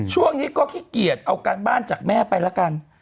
ช่วงนี้ก็ขี้เกียจเอาการบ้านจากแม่ไปละกัน